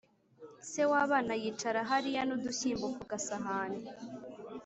se w'abana yicara hariya n'udushyimbo ku gasahani